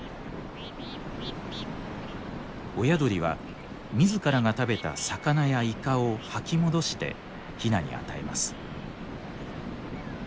親鳥は自らが食べた魚やイカを吐き戻してヒナに与えます。